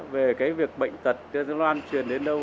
về cái việc bệnh tật nó an truyền đến đâu